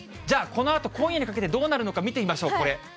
じゃあ、このあと、今夜にかけてどうなるのか見てみましょう、これ。